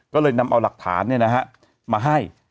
ก็เลยนำเอาหลักฐานเนี่ยนะฮะมาให้